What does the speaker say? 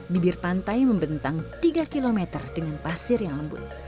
bibir pantai membentang tiga km dengan pasir yang lembut